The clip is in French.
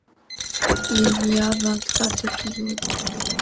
Il y a vingt-quatre épisodes.